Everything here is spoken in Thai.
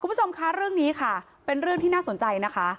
คุณผู้ชมคะเรื่องนี้ค่ะเป็นเรื่องที่น่าสนใจนะคะ